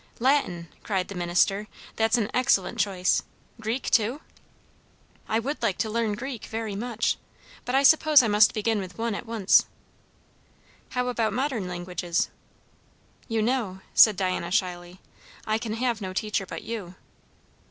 "Latin!" cried the minister. "That's an excellent choice. Greek too?" "I would like to learn Greek, very much. But I suppose I must begin with one at once." "How about modern languages?" "You know," said Diana shyly, "I can have no teacher but you."